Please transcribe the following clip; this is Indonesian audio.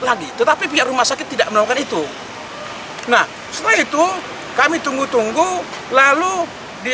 lagi tetapi pihak rumah sakit tidak melakukan itu nah setelah itu kami tunggu tunggu lalu di